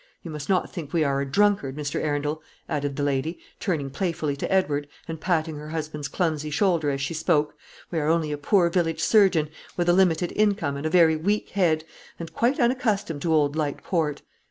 You must not think we are a drunkard, Mr. Arundel," added the lady, turning playfully to Edward, and patting her husband's clumsy shoulder as she spoke; "we are only a poor village surgeon, with a limited income, and a very weak head, and quite unaccustomed to old light port.